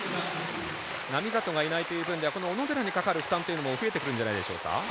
並里がいないという分では小野寺にかかる負担も増えてくるんじゃないでしょうか。